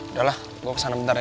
udah lah gue kesana bentar ya